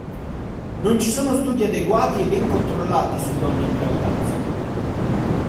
Non ci sono studi adeguati e ben controllati su donne in gravidanza.